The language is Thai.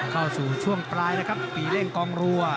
เข้าสู่ช่วงปลายนะครับปีเร่งกองรัว